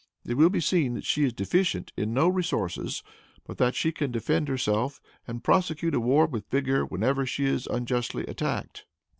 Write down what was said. It will be seen that she is deficient in no resources, but that she can defend herself and prosecute a war with vigor whenever she is unjustly attacked.